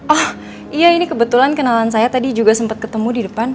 oh iya ini kebetulan kenalan saya tadi juga sempat ketemu di depan